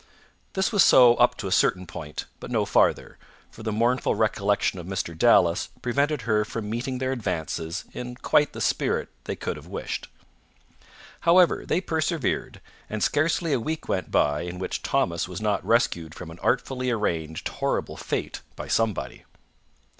This was so up to a certain point; but no farther, for the mournful recollection of Mr. Dallas prevented her from meeting their advances in quite the spirit they could have wished. However, they persevered, and scarcely a week went by in which Thomas was not rescued from an artfully arranged horrible fate by somebody.